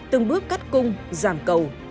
từng bước cắt cung giảm cầu